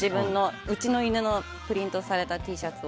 うちの犬のプリントされたＴシャツを。